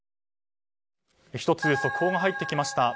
１つ、速報が入ってきました。